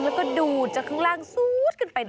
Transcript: แล้วก็ดูดจากข้างล่างซูดขึ้นไป